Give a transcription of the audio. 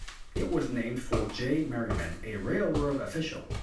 It was named for J. Merriman, a railroad official.